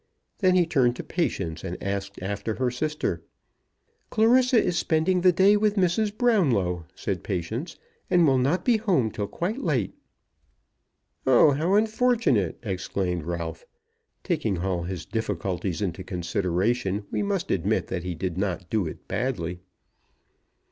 Then he turned to Patience and asked after her sister. "Clarissa is spending the day with Mrs. Brownlow," said Patience, "and will not be home till quite late." "Oh, how unfortunate!" exclaimed Ralph. Taking all his difficulties into consideration, we must admit that he did not do it badly.